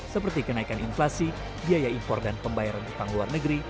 seperti kenaikan inflasi biaya impor dan pembayaran utang luar negeri